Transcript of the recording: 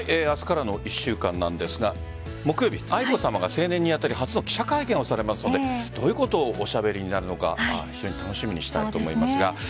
明日からの１週間なんですが木曜日、愛子さまが成年に当たり初の記者会見をされますのでどういうことをおしゃべりになるのか非常に楽しみにしたいと思います。